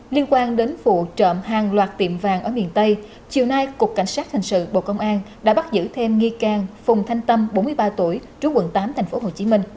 liên quan đến vụ trộm hàng loạt tiệm vàng ở miền tây chiều nay cục cảnh sát hình sự bộ công an đã bắt giữ thêm nghi can phùng thanh tâm bốn mươi ba tuổi trú quận tám tp hcm